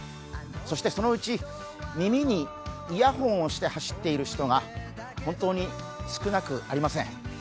そして、そのうち、耳にイヤホンをして走っている人が本当に少なくありません。